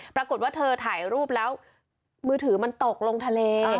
ปรากฏว่าเธอถ่ายรูปแล้วมือถือมันตกลงทะเล